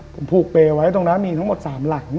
ผมผูกเปย์ไว้ตรงนั้นมีทั้งหมด๓หลัง